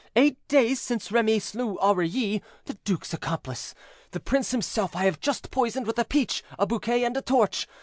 Eight days since Remy slew Aurilly, the duke's accomplice, and the prince himself I have just poisoned with a peach, a bouquet, and a torch.